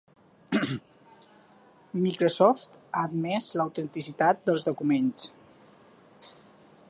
Microsoft ha admès l'autenticitat dels documents.